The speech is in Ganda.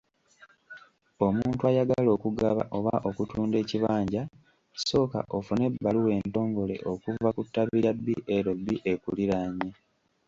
Omuntu ayagala okugaba oba okutunda ekibanja sooka ofune ebbaluwa entongole okuva ku ttabi lya BLB ekuliraanye.